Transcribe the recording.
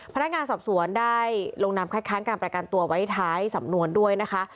พนักงานสอบสวนได้ลงนามคัดค้างการประกันตัวไว้ท้ายสำนวนด้วยนะคะ